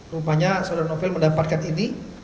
rupanya saudara novel mendapatkan ini